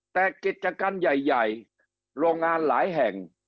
แต่กิจการใหญ่โรงงานหลายแห่ง